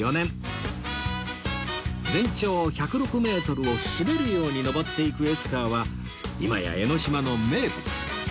全長１０６メートルを滑るように昇っていくエスカーは今や江の島の名物